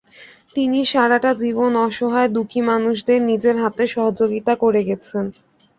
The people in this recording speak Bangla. তিনি সারাটা জীবন অসহায় দুঃখী মানুষদের নিজের হাতে সহযোগীতা করে গেছেন।